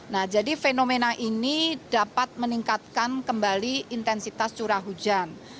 nah jadi fenomena ini dapat meningkatkan kembali intensitas curah hujan